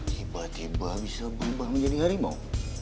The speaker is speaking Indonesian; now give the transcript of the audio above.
tiba tiba bisa berubah menjadi harimau